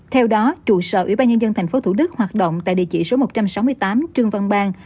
theo đó trụ sở ủy ban nhân dân tp thủ đức hoạt động tại địa chỉ số một trăm sáu mươi tám trương văn bang